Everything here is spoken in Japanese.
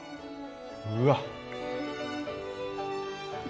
うわっ。